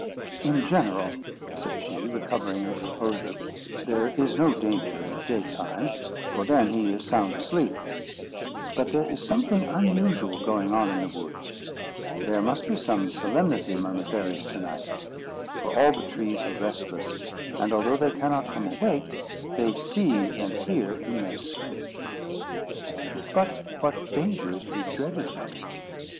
"In general," said she, recovering her composure, "there is no danger in the daytime, for then he is sound asleep; but there is something unusual going on in the woods; there must be some solemnity among the fairies to night, for all the trees are restless, and although they cannot come awake, they see and hear in their sleep." "But what danger is to be dreaded from him?"